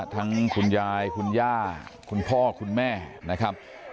คุณยายคุณย่าคุณพ่อคุณแม่นะครับ